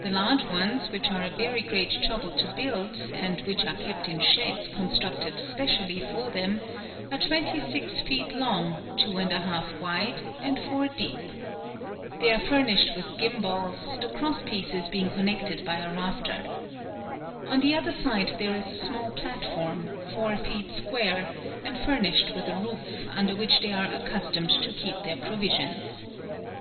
The large ones, which are a very great trouble to build, and which are kept in sheds constructed specially for them, are twenty six feet long, two and a half wide, and four deep. They are furnished with gimbals, the cross pieces being connected by a rafter. On the other side there is a small platform, four feet square, and furnished with a roof, under which they are accustomed to keep their provisions.